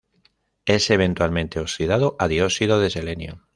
Es eventualmente oxidado a dióxido de selenio.